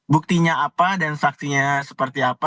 buktinya apa dan saksinya seperti apa